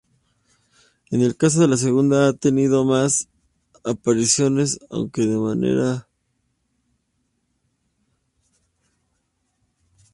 En el caso de la segunda ha tenido más apariciones, aunque de manera esporádica.